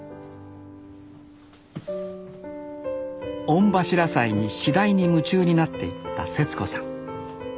御柱祭に次第に夢中になっていったせつ子さん。